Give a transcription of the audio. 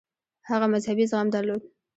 هغه مذهبي زغم درلود.